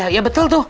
iya betul tuh